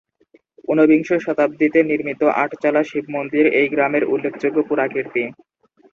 ঊনবিংশ শতাব্দীতে নির্মিত আটচালা শিবমন্দির এই গ্রামের উল্লেখযোগ্য পুরাকীর্তি।